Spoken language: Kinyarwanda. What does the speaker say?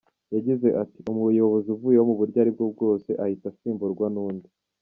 Yagize ati “Umuyobozi uvuyeho mu buryo ubwo aribwo bwose ahita asimburwa n’undi.